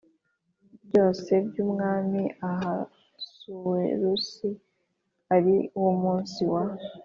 byose by Umwami Ahasuwerusi ari wo munsi wa